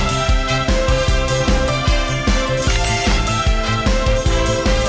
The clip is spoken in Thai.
แม่ฟางแสดงคน